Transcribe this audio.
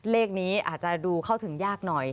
เลขนี้อาจจะดูเข้าถึงยากหน่อย